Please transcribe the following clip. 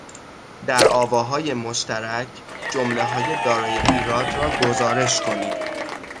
در آواهای مشترک جملههای دارای ایراد را گزارش کنید